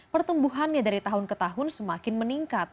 pertumbuhannya dari tahun ke tahun semakin meningkat